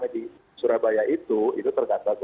di surabaya itu itu tergantung